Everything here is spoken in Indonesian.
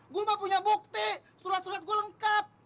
gua mah punya bukti surat surat gua lengkap